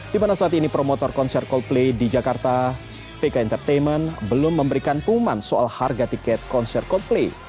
di mana saat ini promotor konser coldplay di jakarta pk entertainment belum memberikan pengumuman soal harga tiket konser coldplay